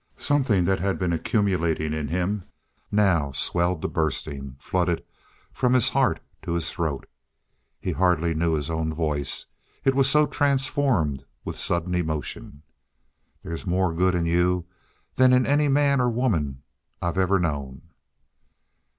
Something that had been accumulating in him now swelled to bursting, flooded from his heart to his throat. He hardly knew his own voice, it was so transformed with sudden emotion. "There's more good in you than in any man or woman I've ever known."